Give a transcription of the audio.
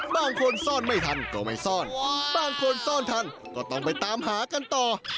บางคนซ่อนไม่ทันก็ไม่ซ่อนบางคนซ่อนทันก็ต้องไปตามหากันต่อ